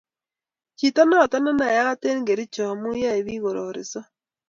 Chito noto nenayat eng Kericho amu yoe biik korariso